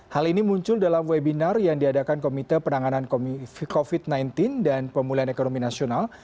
hal ini muncul dalam webinar yang diadakan komite penanganan covid sembilan belas dan pemulihan ekonomi nasional